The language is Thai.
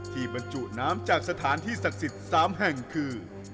บรรจุน้ำจากสถานที่ศักดิ์สิทธิ์๓แห่งคือ